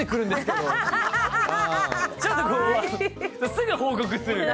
すぐ報告する。